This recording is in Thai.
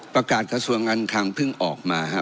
ประกาศกระสุนงานคังเพิ่งออกมาฮะ